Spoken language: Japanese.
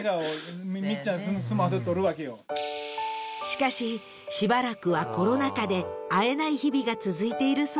［しかししばらくはコロナ禍で会えない日々が続いているそうです］